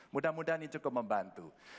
mudah mudahan ini cukup membantu